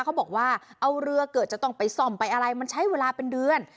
เขาบอกว่าเอาเรือเกิดจะต้องไปซ่อมไปอะไรมันใช้เวลาเป็นเดือน